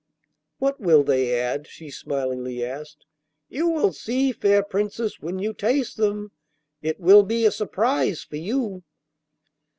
'What will they add?' she smilingly asked. 'You will see, fair Princess, when you taste them. It will be a surprise for you.